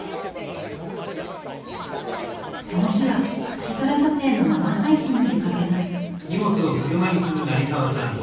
この日は星空撮影の生配信に出かけます。